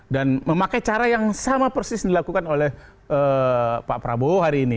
dan memakai cara yang sama persis dilakukan oleh pak prabowo hari ini